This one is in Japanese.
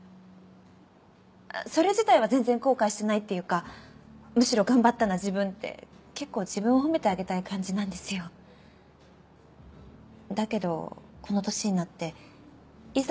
それ自体は全然後悔してないっていうかむしろ頑張ったな自分って結構自分を褒めてあげたい感じなんですよ。だけどこの年になっていざ